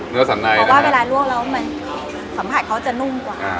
เพราะว่าเวลาร่วงแล้วสัมผัสเขาจะนุ่มกว่า